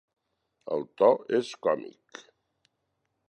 El to és còmic.